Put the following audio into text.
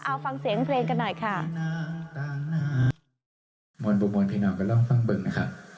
เอาฟังเสียงเพลงกันหน่อยค่ะมวลบุมวลเพลงหน่อยก็ลองฟังเบิ้งนะคะ